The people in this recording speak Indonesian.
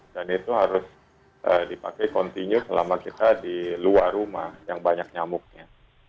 dan itu harus dipakai continue selama kita di luar rumah yang banyak nyamuknya